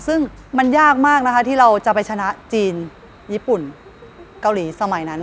ซึ่งมันยากมากนะคะที่เราจะไปชนะจีนญี่ปุ่นเกาหลีสมัยนั้น